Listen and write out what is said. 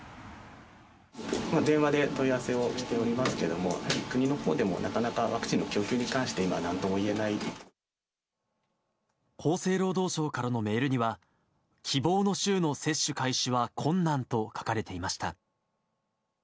電話で問い合わせをしておりますけども、やはり国のほうでもなかなかワクチンの供給に関して今、なんとも厚生労働省からのメールには、希望の週の接種開始は困難と書かれていました。